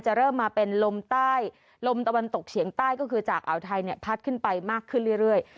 เริ่มมาเป็นลมใต้ลมตะวันตกเฉียงใต้ก็คือจากอ่าวไทยเนี่ยพัดขึ้นไปมากขึ้นเรื่อย